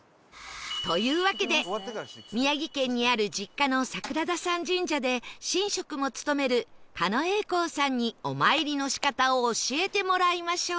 というわけで宮城県にある実家の櫻田山神社で神職も務める狩野英孝さんにお参りの仕方を教えてもらいましょう